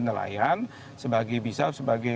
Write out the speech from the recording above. nelayan sebagai bisa sebagai